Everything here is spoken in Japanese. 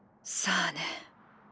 さあね。